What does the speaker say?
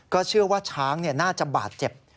เชื่อว่าช้างน่าจะบาดเจ็บ